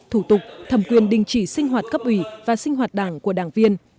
thủ tục thẩm quyền đình chỉ sinh hoạt cấp ủy và sinh hoạt đảng của đảng viên